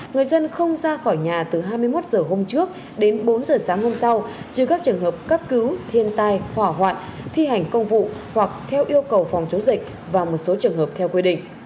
người dân không ra khỏi nhà từ hai mươi một h hôm trước đến bốn h sáng hôm sau trừ các trường hợp cấp cứu thiên tai hỏa hoạn thi hành công vụ hoặc theo yêu cầu phòng chống dịch và một số trường hợp theo quy định